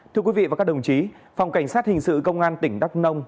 thưa quý vị và các đồng chí phòng cảnh sát hình sự công an tỉnh đắk nông